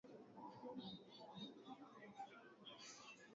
Niambie na unieleze kukuhusu.